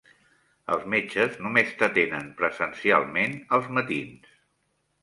Els metges només t'atenen presencialment als matins.